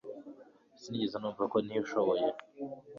Sinigeze numva ko ntishoboye